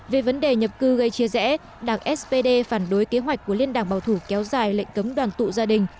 về vấn đề nhập cư gây chia rẽ đảng spd phản đối kế hoạch của liên đảng bảo thủ kéo dài lệnh cấm đoàn tụ gia đình